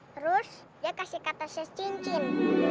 terus dia kasih kak tasya cincin